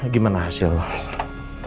ya kita masuk dulu ya